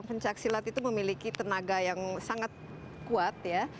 pencak silat itu memiliki tenaga yang sangat kuat ya